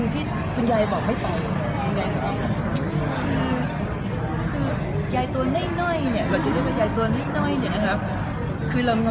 ที่ก็จะไม่มาแล้วย่ายจมนต์เล่าทั้ง๑๒วัน